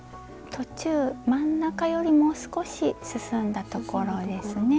途中真ん中よりも少し進んだところですね